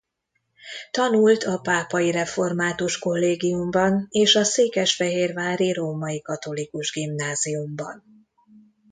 Tanult a Pápai Református Kollégiumban és a székesfehérvári római katolikus gimnáziumban.